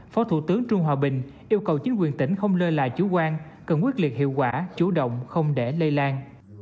phó thủ tướng trương hòa bình yêu cầu chính quyền tỉnh không lơ là chủ quan cần quyết liệt hiệu quả chủ động không để lây lan